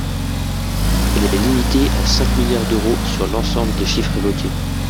Elle est limitée à cinq milliards d’euros sur l’ensemble des chiffres évoqués